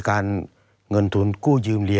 ตั้งแต่ปี๒๕๓๙๒๕๔๘